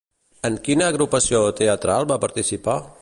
En quina agrupació teatral va participar?